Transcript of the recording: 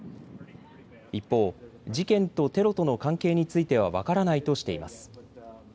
一方、事件とテロとの関係については分からないとしています。